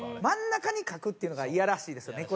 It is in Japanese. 真ん中に描くっていうのがいやらしいですよ。